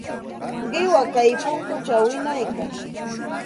Qiwa kay punkućhaw wiñaykan.